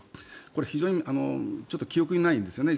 これ、非常に記憶にないんですよね。